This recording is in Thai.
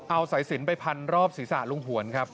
เอาสายสินไปพันรอบศีรษะลุงหวนครับ